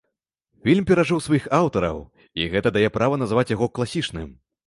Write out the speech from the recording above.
Фільм перажыў сваіх аўтараў, і гэта дае права называць яго класічным.